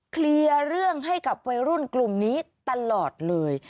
เคลียร์เรื่องให้กับวัยรุ่นกลุ่มนี้ตลอดเลย